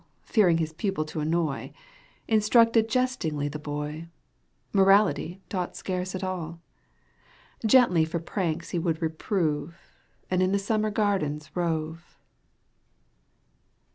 Fearing his pupil to annoy, Instructed jestingly the boy, Morality taught scarce at all ; Gently for pranks he would reprove And in the Summer Garden rove.